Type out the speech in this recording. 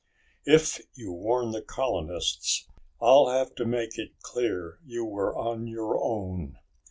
If you warn the colonists, I'll have to make it clear you were on your own."